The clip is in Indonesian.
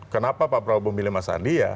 kenapa pak prabowo memilih mas sandi ya